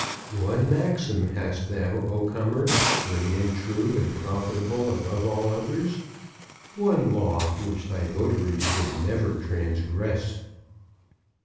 One maxim hast thou, O Commerce, great and true and profitable above all others; one law which thy votaries should never transgress.